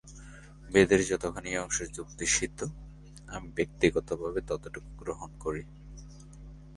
বেদের যতখানি অংশ যুক্তিসিদ্ধ, আমি ব্যক্তিগত ভাবে ততটুকু গ্রহণ করি।